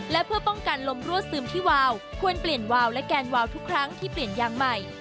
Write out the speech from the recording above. และเพื่อป้องกันลมรั่วซึมที่วาวควรเปลี่ยนวาวและแกนวาวทุกครั้งที่เปลี่ยนยางใหม่